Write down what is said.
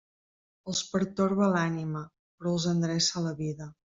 Els pertorba l'ànima, però els endreça la vida.